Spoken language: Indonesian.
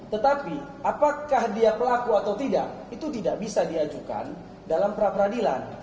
tetapi apakah dia pelaku atau tidak itu tidak bisa diajukan dalam peradilan